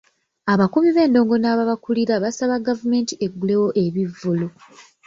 Abakubi b'endongo n'ababakulira basaba gavumenti eggulewo ebivvulu.